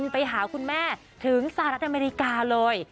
ไปหาคุณแม่ถึงสหรัฐอเมริกาเลย